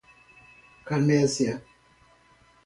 Carmésia